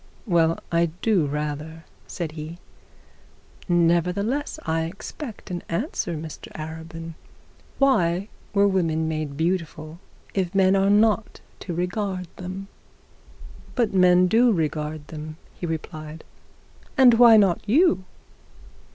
'Well, I do rather,' said he. 'Nevertheless I expect an answer, Mr Arabin. Why were women made beautiful if men are not to regard them?' 'But men do regard them,' he replied. 'And why not you?'